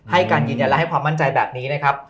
ให้การยืนยันและให้ความมั่นใจแบบนี้นะครับ